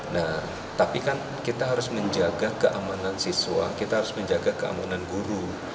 nah tapi kan kita harus menjaga keamanan siswa kita harus menjaga keamanan guru